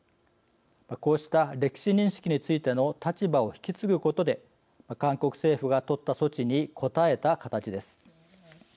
こうした歴史認識についての立場を引き継ぐことで韓国政府が取った措置に応えた形です。